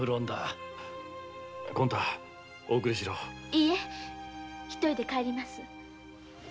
いいえ一人で帰ります。